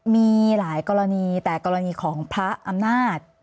มีหลายกรณีแต่กรณีของพระอำนาจ